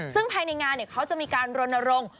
ซึ่งภายในงานเขาจะมีการรณรงค์